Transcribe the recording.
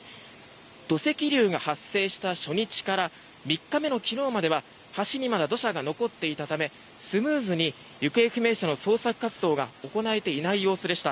土石流が発生した初日から３日目の昨日までは橋にまだ土砂が残っていたためスムーズに行方不明者の捜索活動が行えていない様子でした。